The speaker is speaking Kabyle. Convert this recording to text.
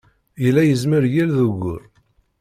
Yella yezmer i yal d ugur.